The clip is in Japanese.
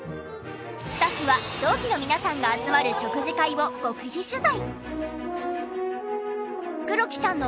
スタッフは同期の皆さんが集まる食事会を極秘取材！